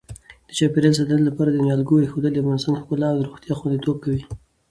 د چاپیریال ساتنې لپاره د نیالګیو اېښودل د افغانستان ښکلا او روغتیا خوندي کوي.